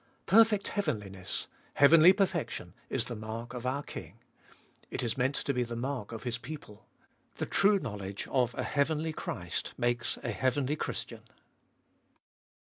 Perfect heauenliness, heavenly perfection, is the mark of our King ; it Is meant to be the mark of His people. The true knowledge of a heavenly Christ makes a heavenly Christian.